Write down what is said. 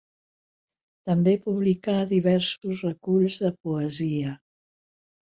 També publicà diversos reculls de poesia.